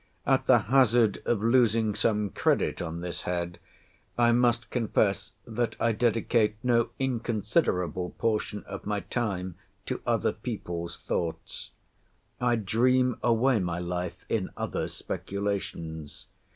At the hazard of losing some credit on this head, I must confess that I dedicate no inconsiderable portion of my time to other people's thoughts. I dream away my life in others' speculations.